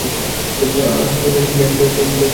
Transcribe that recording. আহ, man, বেশ মজা পেয়েছি।